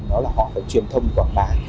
đó là họ phải truyền thông quảng bản